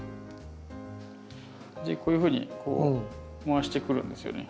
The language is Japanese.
でこういうふうにこう回してくるんですよね。